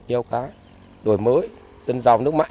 yêu khá đổi mới dân giàu nước mạnh